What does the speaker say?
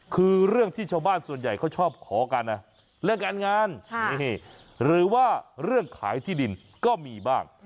คือเรื่องที่ชาวบ้านส่วนใหญ่เขาชอบขอกันนะเรื่องการงานหรือว่าเรื่องขายที่ดินก็มีบ้าง